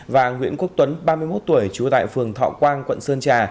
và nguyễn quốc tuấn ba mươi một tuổi trú tại phường thọ quang quận sơn trà